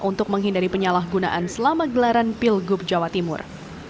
untuk menghindari penyalahgunaan selama gelaran pilgub jawa timur